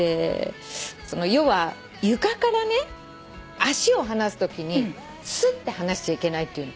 要は床からね足を離すときにすって離しちゃいけないって言うの。